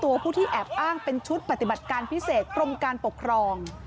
ผู้ที่แอบอ้างเป็นชุดปฏิบัติการพิเศษกรมการปกครอง